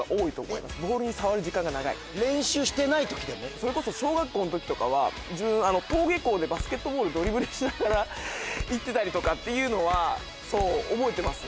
それこそ小学校の時とかは自分登下校でバスケットボールドリブルしながら行ってたりとかっていうのは覚えてますね。